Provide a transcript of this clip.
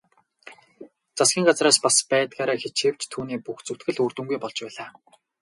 Засгийн газар бас байдгаараа хичээвч түүний бүх зүтгэл үр дүнгүй болж байлаа.